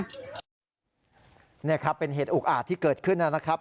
นี่ครับเป็นเหตุอุกอาจที่เกิดขึ้นนะครับ